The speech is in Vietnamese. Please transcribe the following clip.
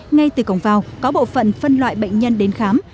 ngay từ cổng vào có bộ phận phân loại bệnh nhân đến khám